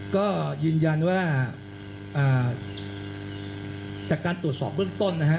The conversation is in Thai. ก็ยืนยันว่าจากการตรวจสอบเบื้องต้นนะฮะ